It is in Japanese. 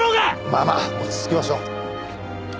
まあまあ落ち着きましょう。